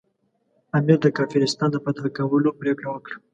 امیر د کافرستان د فتح کولو پرېکړه وکړه.